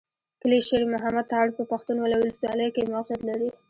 کلي شېر محمد تارڼ په پښتون اولسوالۍ کښې موقعيت لري.